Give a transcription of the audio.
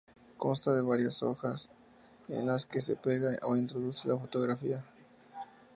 Consta de varias hojas en las que se pega o introduce la fotografía.